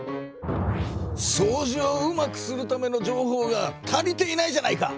そうじをうまくするための情報が足りていないじゃないか！